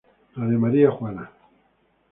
Radio María Juana